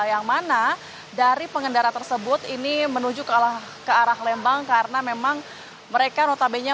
yang mana dari pengendara tersebut ini menuju ke arah lembang karena memang mereka notabene